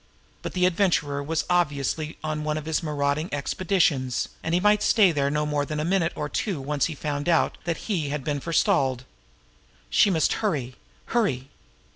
But the Adventurer was obviously on one of his marauding expeditions, and he might stay there no more than a minute or two once he found out that he had been forestalled. She must hurry hurry!